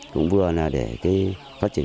cũng vừa là để phát triển